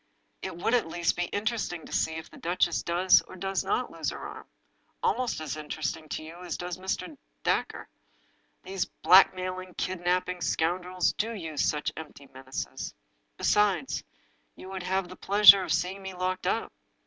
It would at least be interesting to see if the duchess does or does not lose her arm — ^almost as interesting to you as to Mr. Dacre. Those blackmailing, kidnaping scoundrels do use such empty menaces. Besides, you would have the pleasure of seeing me locked up.